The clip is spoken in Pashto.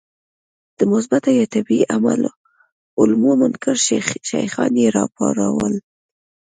د مثبته یا طبیعي علومو منکر شیخان یې راوپارول.